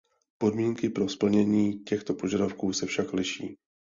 Podmínky pro splnění těchto požadavků se však liší.